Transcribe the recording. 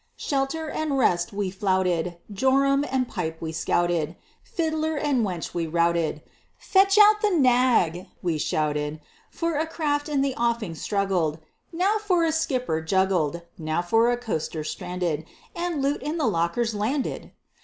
Shelter and rest we flouted, Jorum and pipe we scouted, Fiddler and wench we routed. "Fetch out the nag!" we shouted; For a craft in the offing struggled. "Now for a skipper juggled; Now for a coaster stranded, And loot in the lockers landed!"